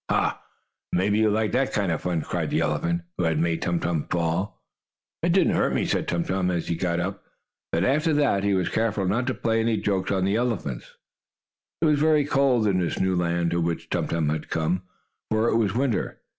"Ha! Maybe you like that kind of fun!" cried the elephant who had made Tum Tum fall. "It didn't hurt me!" said Tum Tum, as he got up. But, after that, he was careful not to play any jokes on this elephant. It was very cold in this new land to which Tum Tum had come, for it was winter.